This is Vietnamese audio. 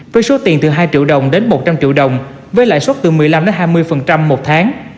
với số tiền từ hai triệu đồng đến một trăm linh triệu đồng với lãi suất từ một mươi năm hai mươi một tháng